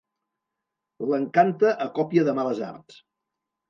L'encanta a còpia de males arts.